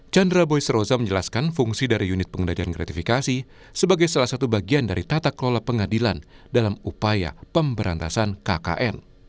chandra boys roza menjelaskan fungsi dari unit pengendalian gratifikasi sebagai salah satu bagian dari tata kelola pengadilan dalam upaya pemberantasan kkn